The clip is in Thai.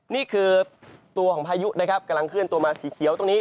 นี่คือตัวของพายุนะครับกำลังเคลื่อนตัวมาสีเขียวตรงนี้